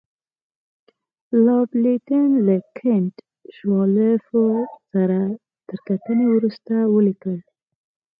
لارډ لیټن له کنټ شووالوف سره تر کتنې وروسته ولیکل.